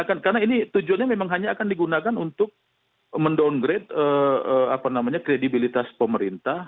karena ini tujuannya memang hanya akan digunakan untuk mendowngrade kredibilitas pemerintah